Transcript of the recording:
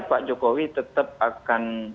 pak jokowi tetap akan